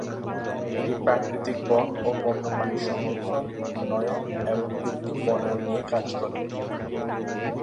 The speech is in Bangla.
এটি প্রাকৃতিক বন ও বন্যপ্রাণী সংরক্ষণ, উন্নয়ন এবং কৃত্রিম বনায়ন নিয়ে কাজ করে।